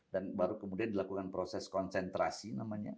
dan baru kemudian dilakukan proses konsentrasi namanya